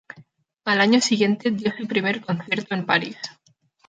Al año siguiente dio su primer concierto en París.